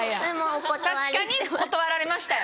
確かに断られましたよ